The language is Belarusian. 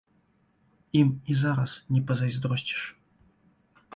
Ім і зараз не пазайздросціш.